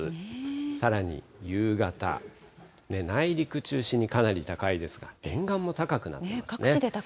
さらに夕方、内陸中心にかなり高いですが、沿岸も高くなっていますね。